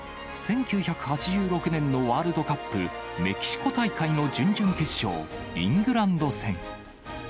１９８６年のワールドカップメキシコ大会の準々決勝、イングランド戦。